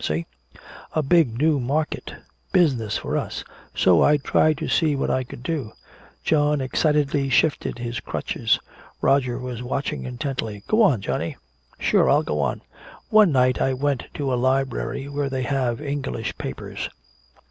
See? A big new market! Business for us! So I tried to see what I could do!" John excitedly shifted his crutches. Roger was watching intently. "Go on, Johnny." "Sure, I'll go on! One night I went to a library where they have English papers.